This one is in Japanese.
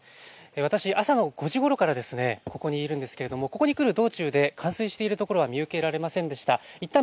私、朝の５時ごろからここにいるんですけれども、ここに来る道中で、冠水している所は見受けられませんでした。